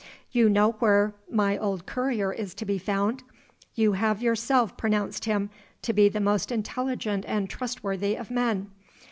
_ You know where my old courier is to be found. You have yourself pronounced him to be the most intelligent and trustworthy of men.